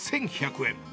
１１００円。